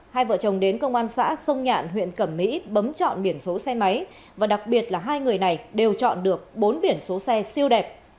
hai vợ chồng đến công an xã sông nhạn huyện cẩm mỹ bấm chọn biển số xe máy và đặc biệt là hai người này đều chọn được bốn biển số xe siêu đẹp